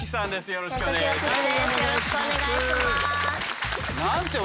よろしくお願いします。